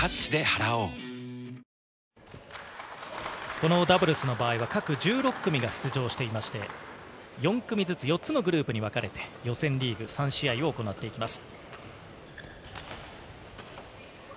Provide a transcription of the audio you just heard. このダブルスの場合は各１６組が出場していまして、４組ずつ４つのグループにわかれて予選リーグ３試合を行っています。